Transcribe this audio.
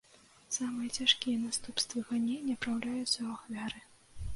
Самыя цяжкія наступствы ганення праяўляюцца ў ахвяры.